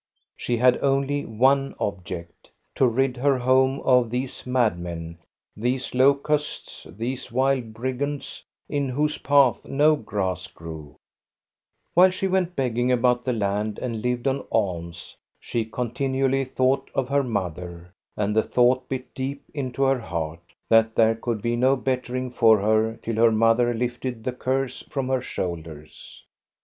She had only one object, — to rid her home of these madmen, these locusts, these wild brigands, in whose path no grass grew. THE OLD VEHICLES 109 While she went begging about the land and lived on alms, she continually thought of her mother ; and the thought bit deep into her heart, that there could be no bettering for her till her mother lifted the curse from her shoulders.